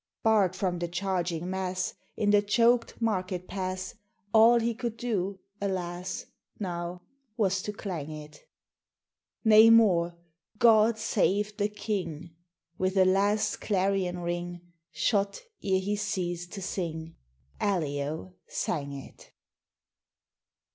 Barred from the charging mass In the choked market pass, All he could do, alas! Now, was to clang it: Nay, more: 'God save the King!' With a last clarion ring, Shot ere he ceased to sing, Allio sang it.